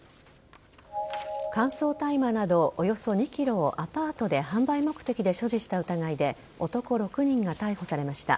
乾燥大麻など、およそ２ｋｇをアパートで販売目的で所持した疑いで男６人が逮捕されました。